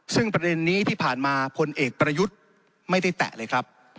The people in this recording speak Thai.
ซึ่งประเด็นนี้ที่ผ่านมาพลเอกประยุทธ์ไม่ได้แตะเลยครับ